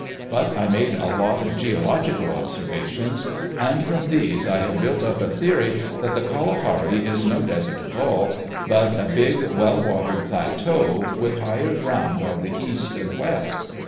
But I made a lot of geological observations, and from these I have built up a theory that the Kalahari is no desert at all, but a big, well watered plateau, with higher ground on the east and west.